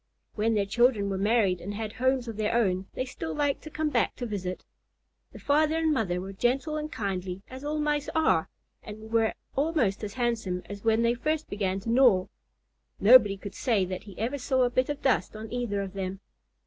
When their children were married and had homes of their own, they still liked to come back to visit. The father and mother were gentle and kindly, as all Mice are, and were almost as handsome as when they first began to gnaw. Nobody could say that he ever saw a bit of dust on either of them.